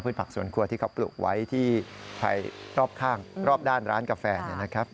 ผักสวนครัวที่เขาปลูกไว้ที่ภายรอบข้างรอบด้านร้านกาแฟเนี่ยนะครับ